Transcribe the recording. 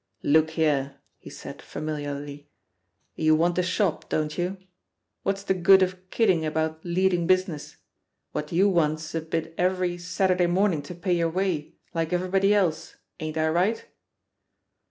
"Look here," he said familiarly, "you want a shop, don't you? What's the good of kidding about 'leading business'? What you want's a bit every Saturday morning to pay your way, like everybody else; ain't I right?"